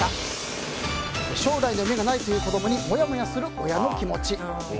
将来の夢がないという子供にモヤモヤするという親の気持ち。